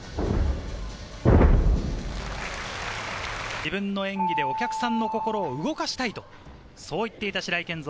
自分の演技でお客さんの心を動かしたいと、そう言っていた白井健三。